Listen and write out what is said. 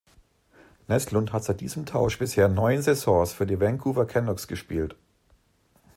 Näslund hat seit diesem Tausch bisher neun Saisons für die Vancouver Canucks gespielt.